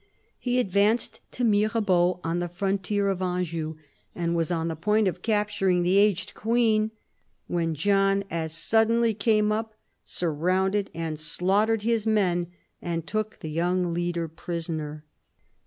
He advanced to in THE FALL OF THE ANGEVINS 69 Mirebeau, on the frontier of Anjou, and was on the point of capturing the aged queen, when John as suddenly came up, surrounded and slaughtered his men, and took the young leader prisoner.